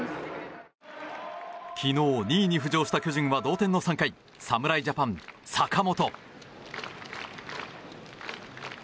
昨日、２位に浮上した巨人は同点の３回侍ジャパン、坂本。